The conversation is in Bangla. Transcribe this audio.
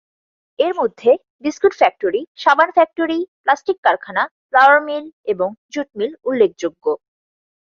এরমধ্যে বিস্কুট ফ্যাক্টরী, সাবান ফ্যাক্টরী, প্লাস্টিক কারখানা, ফ্লাওয়ার মিল এবং জুট মিল উল্লেখযোগ্য।